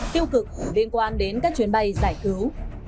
tiêu cực liên quan đến các chuyến bay giải cứu